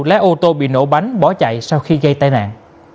lái ô tô bị nổ bánh bỏ chạy sau khi gây tai nạn